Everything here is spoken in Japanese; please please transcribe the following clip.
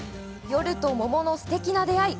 夜と桃のすてきな出会い。